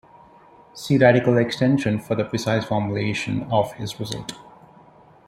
See Radical extension for the precise formulation of his result.